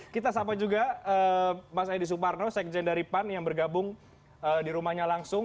kita sapa juga mas edi suparno sekjen dari pan yang bergabung di rumahnya langsung